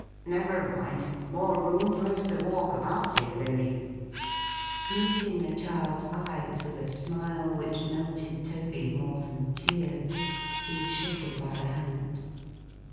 Never mind. More room for us to walk about in, Lilly!' Meeting the child's eyes with a smile which melted Toby more than tears, he shook him by the hand.